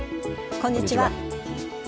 こんにちは。